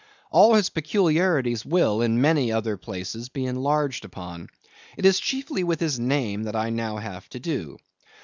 All his peculiarities will, in many other places, be enlarged upon. It is chiefly with his name that I now have to do.